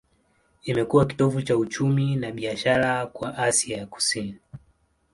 Imekuwa kitovu cha uchumi na biashara kwa Asia ya Kusini.